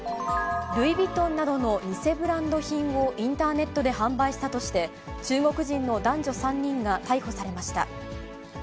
ルイ・ヴィトンなどの偽ブランド品をインターネットで販売したとして、中国人の男女３人が逮捕されました。